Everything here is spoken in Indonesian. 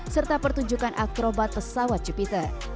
serta pertunjukan akrobat pesawat jupiter